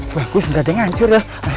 bagus gak ada yang ngancur ya